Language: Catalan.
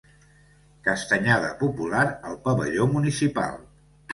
Castanyada popular al pavelló municipal.